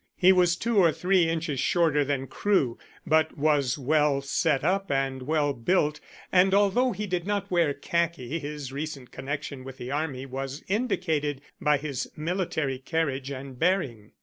He was two or three inches shorter than Crewe, but was well set up and well built, and although he did not wear khaki his recent connection with the army was indicated by his military carriage and bearing.